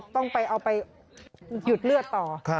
ต้องไปเอาไปหยุดเลือดต่อ